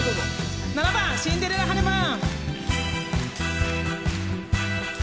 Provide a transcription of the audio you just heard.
７番「シンデレラ・ハネムーン」。